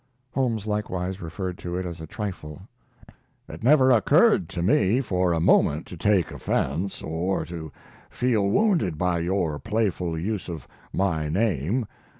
Holmes likewise referred to it as a trifle. It never occurred to me for a moment to take offense, or to feel wounded by your playful use of my name.